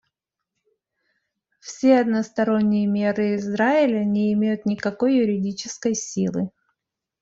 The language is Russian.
Все односторонние меры Израиля не имеют никакой юридической силы.